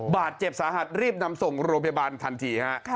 บาดเจ็บสาหัสรีบนำส่งโรงพยาบาลทันทีฮะ